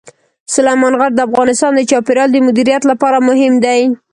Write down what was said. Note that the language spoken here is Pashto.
سلیمان غر د افغانستان د چاپیریال د مدیریت لپاره مهم دي.